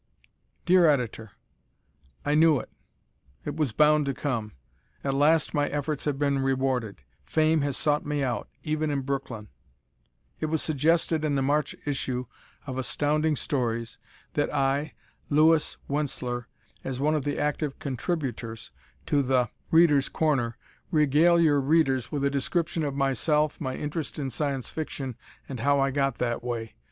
_ Dear Editor: I knew it. It was bound to come. At last my efforts have been rewarded. Fame has sought me out even in Brooklyn. It was suggested in the March issue of Astounding Stories that I, Louis Wentzler, as one of the active contributors to "The Readers' Corner," regale your Readers with a description of myself, my interest in Science Fiction and how I got that way.